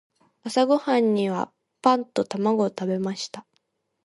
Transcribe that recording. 朝ごはんにはパンと卵を食べました。